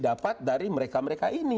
dapat dari mereka mereka itu jadi ini